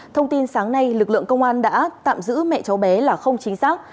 thông tin sáng nay lực lượng công an đã tạm giữ mẹ cháu bé là không chính xác